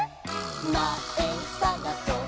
「まえさがそっ！